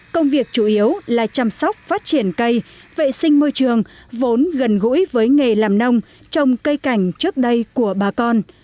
công việc chủ yếu là chăm sóc phát triển cây vệ sinh môi trường vốn gần gũi với nghề làm nông trồng cây cảnh trước đây của bà con